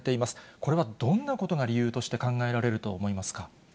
これはどんなことが理由として考えられると思いますか。